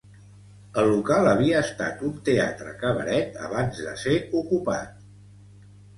El local havia estat un teatre-cabaret abans de ser ocupat